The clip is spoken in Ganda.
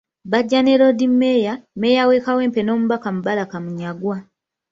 Bajja ne Loodi meeya, Meeya we Kawempe n’omubaka Mubaraka Munyagwa.